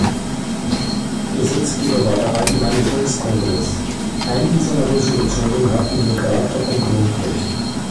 Gesetzgeber war der Allgemeine Volkskongress; einige seiner Resolutionen hatten den Charakter von Grundrechten.